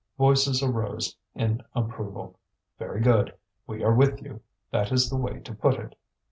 Voices arose in approval: "Very good! we are with you! that is the way to put it!"